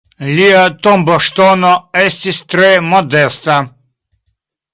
Lia tomboŝtono estis tre modesta.